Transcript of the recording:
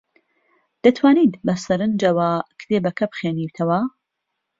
دەتوانیت بەسەرنجەوە کتێبەکە بخوێنیتەوە؟